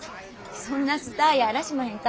そんなスターやあらしまへんから。